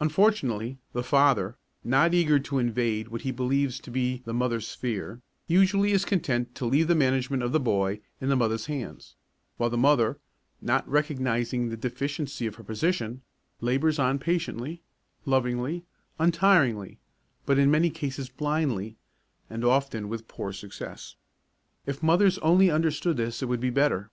Unfortunately, the father, not eager to invade what he believes to be the mother's sphere, usually is content to leave the management of the boy in the mother's hands, while the mother, not recognising the deficiency of her position, labours on patiently, lovingly, untiringly, but in many cases blindly, and often with poor success. If mothers only understood this it would be better.